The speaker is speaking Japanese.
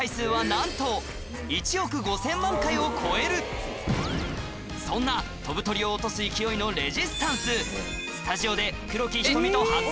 なんとそんな飛ぶ鳥を落とす勢いのレジスタンスえぇ。